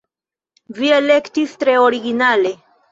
Vi elektis tre originale!